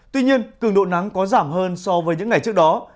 tuy nhiên cường độ nắng có giảm hơn so với những ngày trước đó